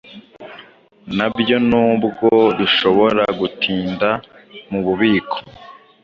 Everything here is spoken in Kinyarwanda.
na byo n’ubwo bishobora gutinda mu bubiko,